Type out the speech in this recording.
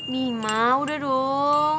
bima udah dong